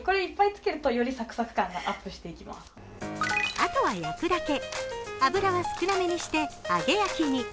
あとは焼くだけ、油は少なめにして、揚げ焼きに。